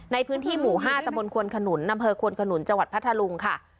ในพื้นที่หมู่๕ตะมนตวนขนุนอำเภอควนขนุนจังหวัดพัทธลุงค่ะ